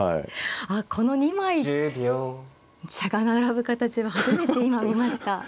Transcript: この２枚飛車が並ぶ形は初めて今見ました。